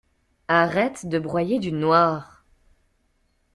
Arrête de broyer du noir!